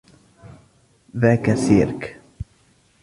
ذاك سيركٌ!